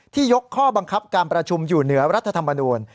ยกข้อบังคับการประชุมอยู่เหนือรัฐธรรมนูล